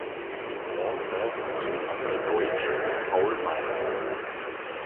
Bronze ging an den Deutschen Paul Meier.